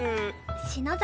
篠崎